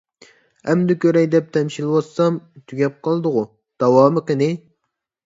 ئەمدى كۆرەي دەپ تەمشىلىۋاتسام، تۈگەپ قالدىغۇ. داۋامى قېنى؟